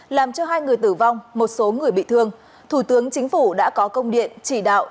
làm cho hai người tử vong một số người bị thương thủ tướng chính phủ đã có công điện chỉ đạo